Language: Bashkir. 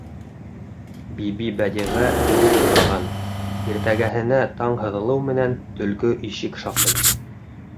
Бибибәдиғә дөрөҫ уйлаған, иртәгәһенә таң һыҙылыу менән, төлкө ишек шаҡый.